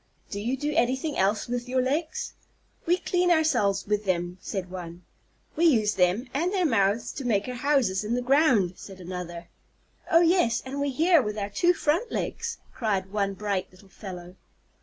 "Do you do anything else with your legs?" "We clean ourselves with them," said one. "We use them and our mouths to make our houses in the ground," said another. "Oh yes, and we hear with our two front legs," cried one bright little fellow.